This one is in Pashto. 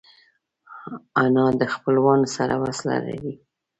انا د خپلوانو سره وصله لري